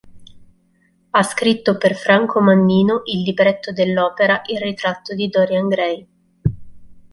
Ha scritto per Franco Mannino il libretto dell'opera "Il ritratto di Dorian Gray".